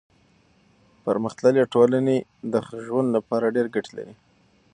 پرمختللي ټولنې د ژوند لپاره ډېر ګټې لري.